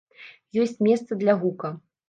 Ёсць месца для гука.